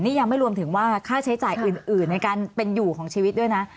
นี่ยังไม่รวมถึงว่าค่าใช้จ่ายอื่นในการเป็นอยู่ของชีวิตด้วยนะ